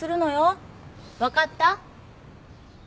分かった？